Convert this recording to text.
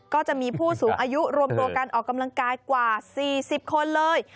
ก็จะมีผู้สูงอายุรวมตัวกันออกกำลังกายกว่า๔๐คนเลย